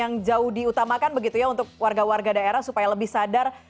yang jauh diutamakan begitu ya untuk warga warga daerah supaya lebih sadar